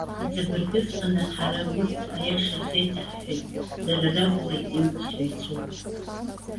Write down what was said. Иҵабыргыҵәҟьаны, ҳара урҭ аиаша рзеиҭаҳҳәеит, дара ракәзар, имцҳәаҩцәоуп.